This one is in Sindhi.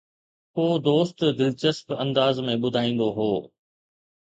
ڪو دوست دلچسپ انداز ۾ ٻڌائيندو هو